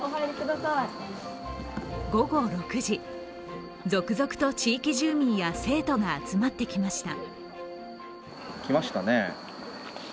午後６時、続々と地域住民や生徒が集まってきました。